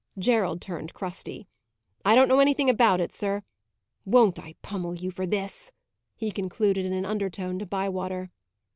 Gerald turned crusty. "I don't know anything about it, sir. Won't I pummel you for this!" he concluded, in an undertone, to Bywater.